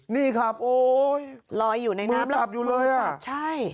นี่ครับโอ้ยลอยอยู่ในน้ำหลับอยู่เลยอ่ะใช่